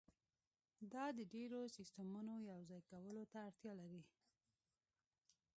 دا د ډیرو سیستمونو یوځای کولو ته اړتیا لري